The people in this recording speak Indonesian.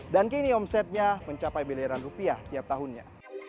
dan kini omsetnya mencapai miliaran rupiah tiap tahunnya